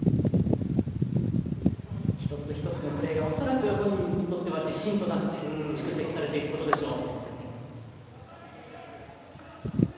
一つ一つのプレーが恐らく本人にとって自信となって蓄積されていくことでしょう。